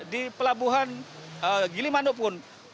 di pelabuhan gilimandu pun